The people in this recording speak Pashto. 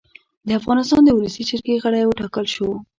د افغانستان د اولسي جرګې غړی اوټاکلی شو